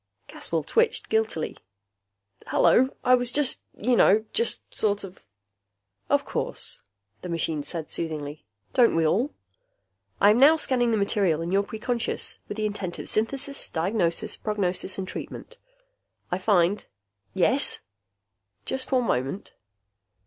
Caswell twitched guiltily. "Hello. I was just you know, just sort of " "Of course," the machine said soothingly. "Don't we all? I am now scanning the material in your preconscious with the intent of synthesis, diagnosis, prognosis, and treatment. I find...." "Yes?" "Just one moment."